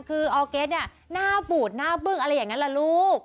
คือออร์เก็ตเนี่ยหน้าบูดหน้าบึ้งอะไรอย่างนั้นล่ะลูก